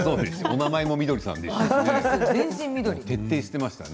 名前もみどりさんでしたね。